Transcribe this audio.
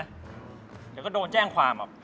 เดี๋ยวก็โดนแจ้งความ